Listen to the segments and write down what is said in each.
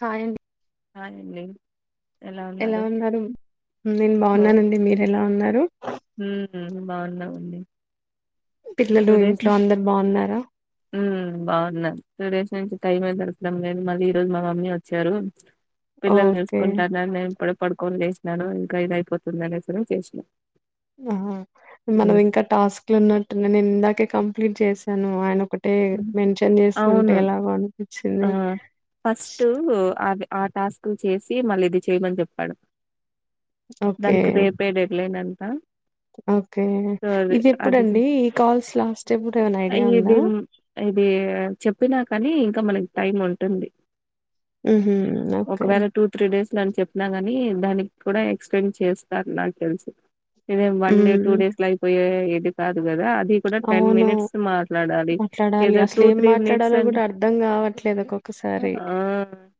Hi అండి hi అండి ఎలా ఉన్నారు నేను బావున్నానండి మీరెలా ఉన్నారు మ్.. బావున్నామండి పిల్లలు ఇంట్లో అందరు బావున్నారా మ్ బావున్నారు టూ డేస్ నుంచి టైమే దొరకడం లేదు మళ్ళీ ఈ రోజు మా మమ్మీ వచ్చారు పిల్లల్ని ఓకే చూసుకుంటానన్నారు నేను ఇప్పుడే పడుకోని లేసినాను ఇంకా ఇది అయిపోతుంది అనేసి చేసినా ఆహ మనం ఇంకా టాస్క్లు ఉన్నట్టు నేను ఇందాకే కంప్లీట్ చేసాను ఆయన ఒక అంటే హ్మ్. మెన్షన్ చేస్తుంటే అవును. ఎలాగో అని ఆ ఫస్టూ అదే ఆ టాస్క్లు చేసి మళ్ళీ ఇది చెయ్యమని చెప్పాడు ఓకే దానికి రేపే డెడ్ లైనంట ఓకే ఇది అది ఎప్పుడండి ఈ కాల్స్ లాస్ట్ ఎప్పుడు ఏమైనా ఐడియా ఇది ఉందా ఇది చెప్పినా కానీ ఇంకా మనకి టైం ఉంటుంది ఉహు ఓకే ఒకవేళ టూ త్రీ డేస్ అని చెప్పిన గాని దానికి కూడా ఎక్స్టెండ్ చేస్తారు నాకు తెలిసు ఇదేం one day two um days లో అయిపోయే ఇది కాదు కదా అది ఇది కూడా టెన్ అవును మినిట్స్ మాట్లాడాలి మాట్లాడాలి ఏదో అసలు టూ ఏం త్రీ మినిట్స్ మాట్లాడాలో అంటె కూడా అర్థం కావట్లేదు ఒక్కొక్కసారి ఆ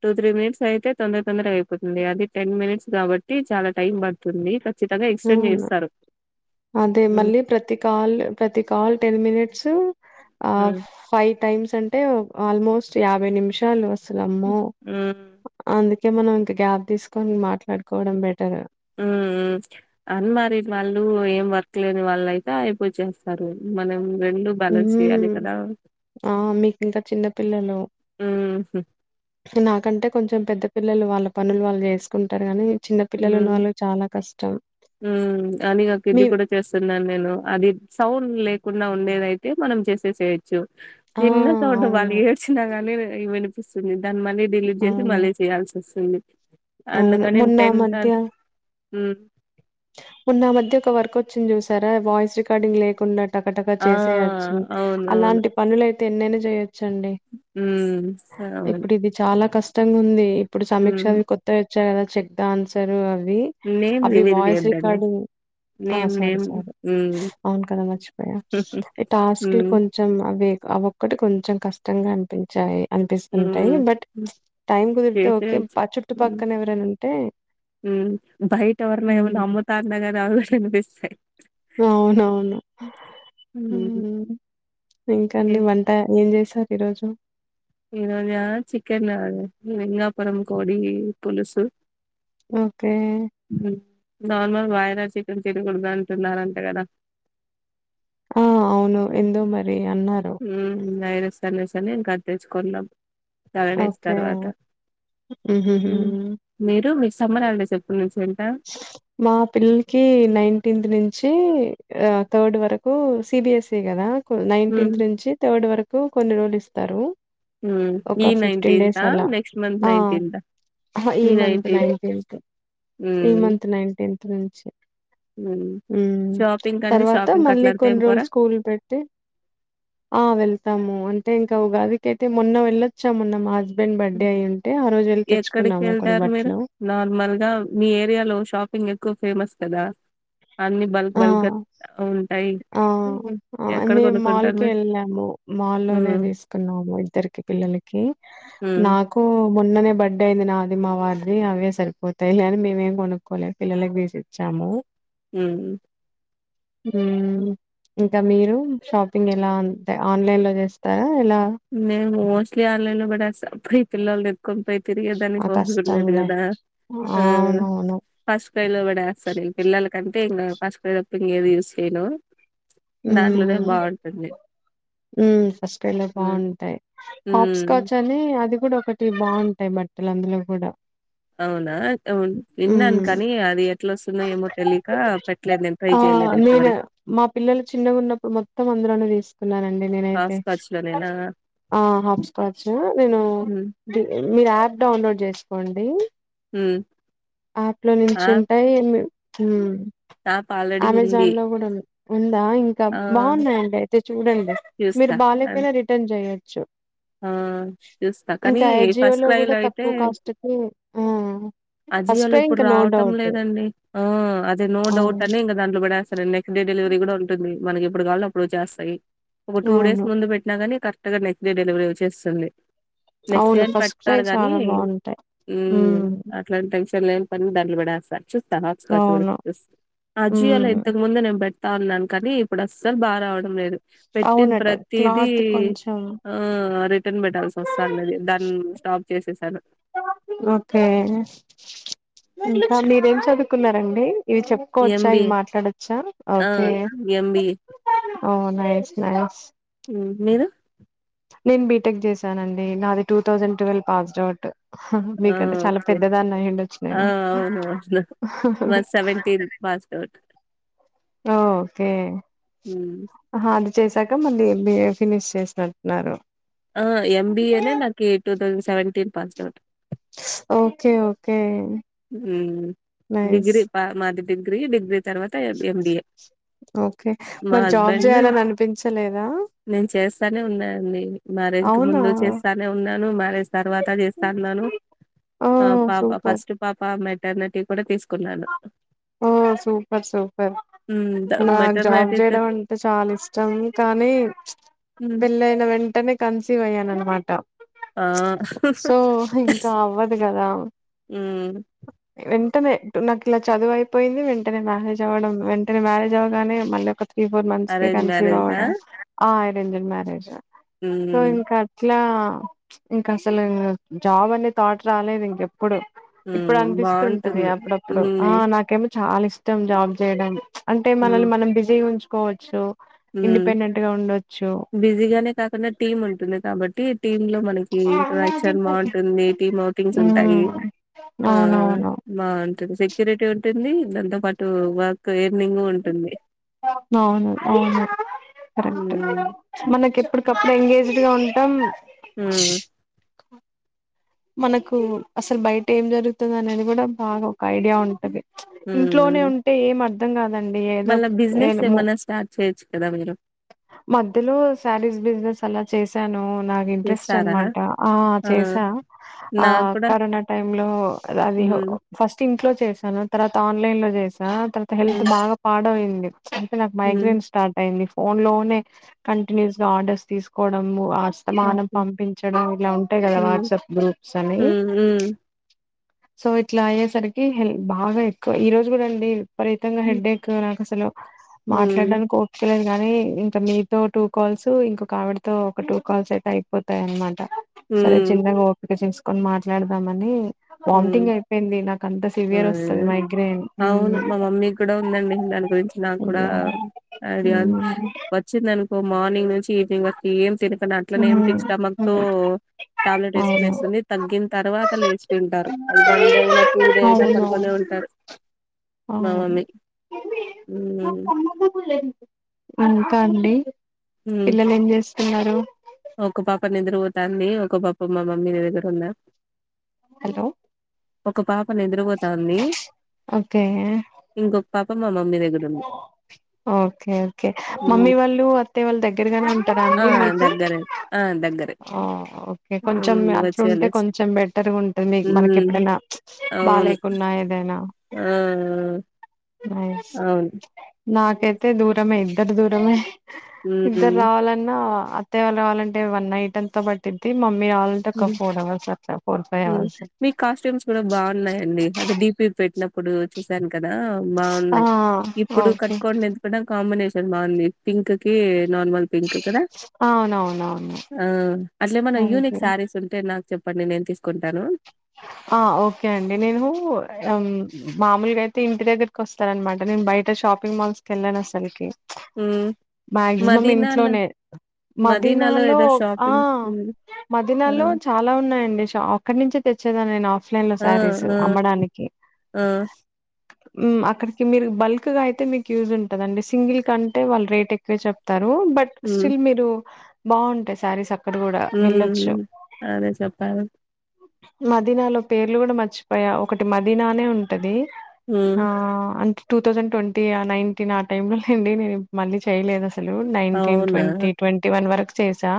టూ త్రీ మనిట్స్ అయితే తొందర తొందరగా అయిపోతుంది అది టెన్ మినిట్స్ కాబట్టి చాలా టైం పడుతుంది అదే ఎక్స్టెండ్ అవును చేస్తారు అదే ఉమ్ మళ్ళీ ప్రతి కాల్ ప్రతి కాల్ టెన్ మినిట్స్ ఆ ఉమ్ ఫైవ్ టైమ్స్ అంటే ఆల్మోస్ట్ యాభై నిమిషాలు వస్త అమ్మో ఉమ్ అందుకే మనం ఇంత గ్యాప్ తీసుకొని మాట్లాడుకోవడం బెటర్ ఏమో మ్ అన్మారీడ్ వాళ్ళు ఏం వర్క్ లేని వాళ్ళు అయితే అయిపోచేస్తారులెండి మనం రెండు బ్యాలెన్స్ చేయాలి కదా మ్్ఆ మీకింకా చిన్న పిల్లలు ఉమ్ నాకంటే కొంచెం పెద్ద పిల్లలు వాళ్ళ పనులు వాళ్ళు చేసుకుంటారు గానీ చిన్న పిల్లలు ఉన్న వాళ్ళకి చాలా కష్టం మ్.. అని నాకు మీ ఇది కూడా చేస్తున్నాను నేను అది సౌండ్ లేక కుండ ఉండేది అయితే మనం చేసేసేయొచ్చు ఆ! విన్న చోట వాళ్ళు అవును. ఏడ్చిన గాని వినిపిస్తుంది దాన్ని మళ్ళీ డిలీట్ చేసి అవును. మళ్ళీ చేయాల్సి వస్తుంది అందుకని ఆ మంత్య మ్ మొన్న ఆ మధ్య ఒక వర్క్ వచ్చింది చూసారా వాయిస్ రికార్డింగ్ లేకున్న టకటగా ఆ! చేసేయచ్చి అవునవును. అలాంటి పనులు అయితే ఎన్నైనా చేయొచ్చు ండి హ్మ్. అవును. ఇప్పుడు ఇది చాలా కష్టం ఖష్టంగా ఉంది, ఇప్పుడు సమీక్ష హ్మ్. అవి కొత్త ఇచ్చారు గదా, చెక్ దా ఆన్సరు అవి. నేమ్ రివిల్ జె. రికార్డ్ మీ. ఆ సారీ సారీ, స్ హ్మ్. అవును కదా మర్చిపోయా, ఇష్ ఈ టాస్క్లు హ్మ్. కొంచం అవే. ఆ ఒక్కటి కొంచం, కష్టంగా అనిపించాయి. అనిపిస్తుంటాయి, హ్మ్. బట్ హ్మ్. టైం కుదిరితే ఓకే, చేసేయొచ్చు. అ చుట్టుపక్కన ఎవరైనా ఉంటే. ఉమ్, బయట ఎవరన్నా ఏమైనా హ్మ్. అమ్మతార్నగద అనీ తినిపిస్తాయి. అవునవును. హ్మ్. ఉమ్ ఏ ఇంకాండి వంట, ఏం జెసారు ఈరోజు. ఈ రోజా చికన్ గాదు, లింగాపురం కోడీ, పులుసు. ఓకే. నార్మల్ వాయిరా చికెన్ తినకడదు, అంటున్నరంట గదా. ఆ అవును ఏందో, మరి. అన్నారు. ఉమ్ అయినా సండే సండే, ఇంకా అది తెచ్చుకొన్నాం. లెవెన్ డేస్ ఓకే తర్వాత, హుహుహు. ఉమ్, మీరు మిస్. సమ్మర్ హలడ్స్, ఎప్పనుంచ్చి. మా పిల్లలకి, నైన్టీన్త్ నుంఛీ. అ థర్డ్ వరకూ, సిబిఎస్ఈ కదా, నైన్టీన్త్ నుంచి థర్డ్ వరకు. ఇప్పుడు కొన్ని రోజులు ఇస్తారు, ఒక ఈ ఫిఫ్టీన్ డేస్ నైన్టీన్తా అలా నెక్స్ట్ మంత్ అ. నైన్టీన్తా హ ఈ మంత్ నైన్టీన్త్, ఈ మంత్ నైన్టీన్త్ నుంచి. ఉమ్, షాపింగ్ అండి తర్వాత షాపింగ్ మళ్ళీ, అట్లంతా కొన్ని ఏం రోజులు పోరా స్కూల్ పెడితే. ఆ వెళ్తాము, అంటే, ఇంకా ఉగాదికైతే మొన్న వెళ్ళొచ్చా మొన్న మాజ్. హస్బెండ్ బర్త్డే అయి ఉంటే, ఆ రోజు ఏళ్ళి ఎక్కడికి తెచ్చుకున్నాము, కొన్ని వెళ్తారు మీరు బట్లు. నార్మల్ గా మీ ఏరియాలో షాపింగ్ ఎక్కువ ఫేమస్ కదా, అన్ని బల్క్ ఆ! బల్క్ గా ఉంటాయి. ఆ ఎక్కడ అన్ని కొనుక్కుంటారు మాల్క్ మీరు ఏళ్ళాము ఉమ్ మాల్లోనే దిసుకున్నాము, ఇద్దరికి పిల్లల. నీకి ఉమ్ నాకు మొన్ననే. బర్త్డే అయింది నాది మా వారిది, అవే సరిపోతాయి అని మేమేం కొనుక్కోలే, పిల్లలకి తీసి ఇచ్చాము. ఉమ్. ఉమ్, ఇంకా మీరు షాపింగ్ ఎలా, అంతే ఆన్లైన్ లో జెస్తారా. మము మోస్ట్లీ ఆన్లైన్ లో, బాట్ అసల్, ప్రి పిల్లల్ దే. కొంపై తిరిగేదాన్ని ఆ! ఓపికఉండాలి, కష్టంలే. గదా ఆ. అవునవును. ఫాస్టయిమ్ లో కూడా ఏస్తారు నేను పిల్లల కంటే, ఇంకా ఫాస్టయిమ్ తప్ప ఇంకే యూస్ సేయను. Um ఫాస్టయిమ్ the. ఉమ్ బాగుంటాయి ఉమ్ హాప్స్కాచ్ అని, అది కూడా ఒకటి బాగుంటాయి, బట్టలు అందులో కూడా. అవునా అవున్, విన్నన్ హ్మ్ కనీ, అది ఏ. ఎట్లో ఓస్తున్నాయ ఏమో తెలియక, పెట్టలేదు నేను ట్రై ఆ చేయలేదు, ఇంతవర. నేను అందులోను దిసుకున్నానండి, నేనైతే లోనేనా ఆ హాప్ స్కార్చు నేను, ఉమ్ మీరు యాప్ డౌన్లోడ్ చేసుకోండి. ఉమ్. ఆప్లో నుంచి ఉంటాయి ఎమ్. తాపా. అమెజాన్ లో కూడా ఉంది, ఉందా ఇంకా ఆ బాగున్నాయండే అయితే చూడండే, మీరు చూస్తా బాగాలేపో. అన్ మళ్ల రిటన్ జెయ. ఆ చూస్తా కానీ, ఇంకా అజియో ఫస్ట్ క్రై కూడా లో అయితే. తక్కువ కాస్ట్ కి ఆ ఫస్ట్ అజీవాలో క్రై ఇప్పుడు ఇంకా నో రావటం డౌట్ లేదండి, అ అదే నో డౌట్ అవును అని, ఇంకా దాంట్లో పెడేస్తారండి, నెక్స్ట్ డే. డిలివరీ కూడా ఉంటుంది, మన ఎప్పుడు కావాలం అప్పుడు వొచేస్తాయి ఒక టూ డేస్ అవును ముందు పెట్టినా గాని కర. అత్తగా నెక్స్ట్ డే డెలివరీ చేస్తుండే. నెక్స్ట్ డే అవును అని ఫస్ట్ క్రై పెడతారు గానీ, చాలా బాగుంటాయి ఉమ్. నాన్ టెన్సన్ లెని పని దాంట్లనే బడేస్త. చుస్తావ హాస్ర్ జూడు అవును జూస్ ఆ జీ ఎళ్ళ ఉమ్ ఇంతకు ముందనే బ. తాందాన్ కానీ ఇప్పుడు అస్సలు బాగా రావడం లేదు పెట్టిన్ అవునట ప్రతిదీ క్లాత్ కొంచెం ఆ రిటర్న్ పెట్టాల్సి ఒస్తాన్నది దాన్ని స్టాప్ చేససాను ఓకే ఇంకా మీరేం చదువుకున్నారండి ఇవి చెప్పుకోవచ్చా ఇవి ఎంబిఏ మాట్లాడచ్చా ఆ ఓకే ఎంబిఏ ఓ నైస్ నైస్ మీరు నేను బీటెక్ చేశానండి నాది two thousand twelve pass doubt హ హ ఆ మీకంటే చాలా ఓకే పెద్దదాన్ని అయిండొచ్చు నేను మాద్ సెవెంటీన్ పాస్డ్ అవుట్ ఓ ఓకే ఊ ఆహా అది చేసాక మళ్ళీ ఎం బి ఎ ఫినిష్ చేసినట్టున్నారు ఆ ఎం బి ఏ నే నాకీ two thousand seventeen passed out okay okay ఊ నైస్ డిగ్రీ పా మాది డిగ్రీ డిగ్రీ తర్వాత ఎ ఎం బి ఏ ఓకె మరి జాబ్ జేయాలని అనిపించలేదా తనే ఉన్నా అండి మ్యారేజ్ కి అవునా ముందు చేస్తానే ఉన్నాను, మ్యారేజ్ తర్వాత చేస్తా ఉన్నాను. ఓ ఆ పాప సూపర్ ఫస్ట్ పాప మెటర్నిటీ కూడా తీసుకున్నాను ఓ సూపర్ సూపర్ ఉమ్ నాక్ జాబ్ మెటర్నిటీ త చేయడం అంటే చాలా ఇష్టం కానీ హ్మ్. పెళ్ళైన వెంటనే కన్సీవ్ అయ్యాననమాట ఆ సో ఇంకా అవ్వదు గదా ఉమ్ వెంటనే నాకు ఇలా చదువు అయిపోయింది వెంటనే మ్యారేజ్ అవ్వడం వెంటనే మ్యారేజ్ అవ్వగానే మళ్ళ ఒక త్రీ ఫోర్ మంత్స్ కే అరేంజ్ కన్సీవ్ మ్యారేజా అవ్వడం ఆ అరేంజుడ్ మ్యారేజ్ సో ఉమ్ ఇంక అట్లా ఇంక అసలు జాబ్ అనే థాట్ రాలేదు ఇంకెప్పుడు ఇప్పుడు ఉమ్ అనిపిస్తుంటది బాగుంటుంది అప్పుడప్పుడు ఉమ్ ఆ నాకేమో చాలా ఇష్ ఇష్టం జాబ్ చేయడం అంటే ఉమ్ మనల్ని మనం బిజీ ఉంచుకోవచ్చు ఉమ్ ఇండిపెండెంట్ గా ఉండొచ్చు బిజీగానే కాకుండా డా టీమ్ ఉంటుంది కాబట్ టి టీమ్ లో మనకి ఇంటరాక్షన్ బాగుంటుంది టీమ్ అవుటింగ్స్ ఉంటాయి ఉమ్ ఆ అవునవును బాగుంటున్ సెక్యూరిటీ ఉంటుంది దాంతో పాటు వర్క్ ఎ అవును అవ్ కరెక్ట్ హ్మ్ మనకి ఎప్పటికప్పుడు ఎంగేజ్డ్ గా ఉంటాం ఊఉ మనకు అసలు బయట ఏం జరుగుతుంది అనేది కూడా బాగ ఐడియా ఉంటది ఇంట్లోనే ఉంటే ఏం అర్ధం గాదు మళ్ళ బిజినెస్ ఏమన్నా స్టార్ట్ చేయొచ్చు కదా మీరు మధ్యలో సారీస్ బిజినెస్ అలా చేసాను నాకు ఇంట్రెస్ట్ చేస్తారా? అన్మాట ఆ చేసా ఆ నాకు కూడా కరోనా టైమ్ లో అది హ్మ్ ఫస్ట్ ఇంట్లో చేసాను తర్వా త ఆన్లైన్ లో చేసా తర్వాత హెల్త్ హ్మ్ బాగా పాడయింది అయితే నాకు హ్మ్ మైగ్రేన్ స్టార్ట్ అయ్యింది ఫోన్ లోనే కంటిన్యూస్ గా ఆర్డర్స్ తీసుకోవడం ఆ అస్తమానం ఓకే. పంపించడం ఇలా ఉంటాయి గదా హ్మ్ వాట్సప్ గ్రూప్స్ అనీ హ్మ్ హ్మ్ సో ఇట్ల అయ్యేసరికి బాగా ఎక్కువ ఈ రోజు గూడా అండి పరీతంగా హ్మ్ హెడ్ ఎక్ నాకు అసలు హ్మ్ మాట్లాడ్డానికి ఓపిక లేదు గానీ ఇంక మీతో టూ కాల్స్ ఇంక ఆవిడతో ఒక టూ కాల్స్ అయితే అయిపోతాయి అనమాట సరే హ్మ్ చిన్నగ ఓపిక చేసుకొని మాట్లాడదామని వామ్టింగ్ హ్మ్ అయిపోయింది నాక్ అంత హ్మ్ సివియర్ ఆ! వస్తది మైగ్రేన్ దని గురించి నాకు కూడా అయ్యో అదిగాని మ్మ్ వచ్చిందిను ఓ మార్నింగ్ నుంచి ఈవినింగ్ వరకు ఏం తినక అ అట్లనే ఏమిటి మ్మ్ స్టమక్ తో మ్మ్ టాబ్లెట్ వేసుకునే వస్తుంది తగ్గిన తర్వాత లేచ ంటారు అది వన్ డే అయినా టూ డే అయినా పనుకొనే ఉంటారు మా మమ్మీ. హ్మ్. ఆ కా అండి హ్మ్. పిల్లలు ఏం చేస్తున్నారు ఒక పాప నిద్ర పోతాన్ని ఒక పాప మా మమ్మీీ దగ్గర ఉందా హలో ఒక పాప నిద్రపోతాంది ఓకే ఇంకొక పాప మా మమ్మీ దగ్గర ఉంది. ఓకే ఓకే మమ్మీ హ్మ్. వాళ్ళు అత్తతే వాళ్ళు దగ్గరగానే ఉంటారా ఆ! అండి మీకు దగ్గరే. ఆ దగ్గర ఓకే కొంచెం అట్లుంటే కొంచెం బెటర్గా ఉంటది మీ మనకి హ్మ్. ఎప్పుడైనా బ అవును. లేకు ఉన్నా ఏదైనా ఆ న్యూస్ అవును నాకైతే దూరమే ఇద్దరు దూరమే ఇద్దరు హ్మ్ రావాలన్నా అత్తయ్య వాళ్ళు రావాలంటే వన్ నైట్త పట్టింది మమ్మీ రావాలంటే ఒక ఫోర్ అవర్స్ అట్లా ఫోర్ ఫైవ్ అవర్స్ మీ కాస్ట్యూమ్స్ కూడా బాగున్నాయండి అదే డీపి పెట్టినప్పుడు ఇప్పుడు చూసాను కదా ఆ బాగున్నాయి ఇప్పుడు ఓకే కట్టుకోండి ఎందుకు కాంబినేషన్ బాగుంది పింక్ కీ నార్మల్ పింక్ కదా అవునవునవును అట్లే మన థ్యాంక్ యూనిక్ యూ శారీస్ ఉంటే నాకు చె అప్పటి నేను తీసుకుంటాను అ ఆ ఓకే అండి నేను మామూలుగా అయితే ఇంటి దగ్గరకి వస్తారనమాట నేను బయట చ షాపింగ్ మాల్స్ వెళ్ళాను అసలుకి హ్మ్ మాక్సిమం మదీనాలో ఇంట్లోనే మదీనాలో మదనాలో ఏదో ఆ షాపింగ్ హ్మ్ ఆ! మదనాలో చాలా ఉన్నాయండి అక్కడి నుంచి తెచ్చ నేను ఆఫ్లైన్ లో ఆ! శారీస్ ఆ! అమ్మడానికి ఆ! అక్కడికి మీరు బల్క్ గా అయితే మీకు యూజ్ ఉంటదండి సింగిల్ కంటే వాళ్ళు రేట్ ఎక్కువ చెప్తారు బట్ హ్మ్. స్టిల్ మీరు బాగుంటా సారీ అక్కడ కూడా వెళ్ళొచ్చు హ్మ్. అదే చెప్పారు. మదీనాలో పేర్లు కూడా మర్చిపోయా ఒకటి మదీనానే ఉంటది ఆ హ్మ్. అంతే టూ థౌజండ్ ట్వంటీ ఆ నైన్టీన్ ఆ టైమ్ లోండి నేను మళ్ళీ చేయలేదు అ నైన్టీన్ అవునా! ట్ీ ట్వంటీ వన్ వరకు చేసా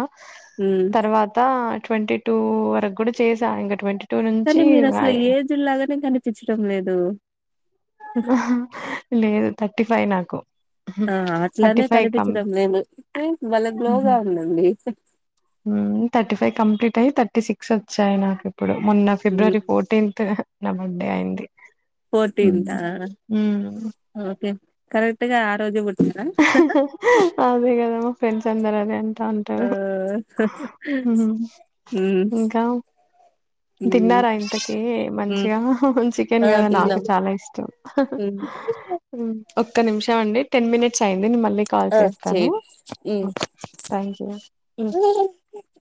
హ్మ్. తర్వాత ట్వంటీ టూ వరకు కూడా చేసా ఇంకా ట్వంటీ టూ నుంచి కానీ మీరు అసలు ఏజ్ లాగానే కనిపించడం లేదు లేదు థర్టీ ఫైవ్ నాకు ఆ థర్టీ అట్లానే ఫైవ్ కం కనిపించడం నేను వాళ్ళ గ్లోగా ఉందండి థర్టీ ఫైవ్ కంప్లీట్ అ థర్టీ సిక్స్ వచ్చాయి నాకు ఇప్పుడు మొన్న హ్మ్ ఫిబ్రవరి ఫోర్టీన్త్ నా బర్త్డే అయింది ఉమ్ పోటీంతా ఉమ్. ఓకే కరెక్ట్గా ఆ రోజు అేగదమ్ మా ఫ్రెండ్స్ అందరు అదే అంత అంటా ఉంటారు ఆ హ్మ్ ఇంకా హ్మ్ తిన్నారా ఇంతకి హ్మ్ మంచిగా చికెన్ ఆ కదా నాకు తిన్నాం. చాలా ఇష్టం హ్మ్ ఒక్క నిమిషం అండి టెన్ మినిట్స్ అయింది నే మళ్ళీ కాల్ ఆ చేస్తానుం చేయండి హ్మ్ హ్మ్